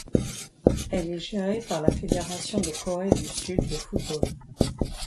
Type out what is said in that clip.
Elle est gérée par la Fédération de Corée du Sud de football.